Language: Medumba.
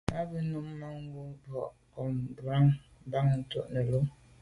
A be num manwù mars bo avril mban to’ nelo.